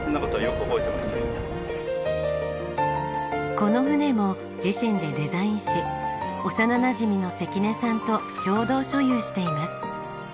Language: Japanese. この船も自身でデザインし幼なじみの関根さんと共同所有しています。